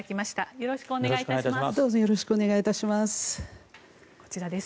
よろしくお願いします。